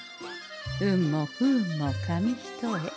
運も不運も紙一重。